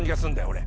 俺。